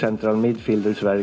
ada dua pemenang bagi tengah tengah